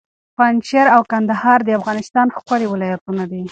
پنجشېر او کندهار د افغانستان ښکلي ولایتونه دي.